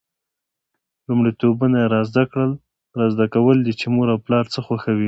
لومړیتوبونه یې دا زده کول دي چې مور او پلار څه خوښوي.